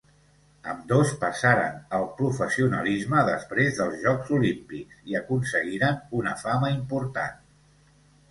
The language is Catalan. Ambdós passaren al professionalisme després dels Jocs Olímpics i aconseguiren una fama important.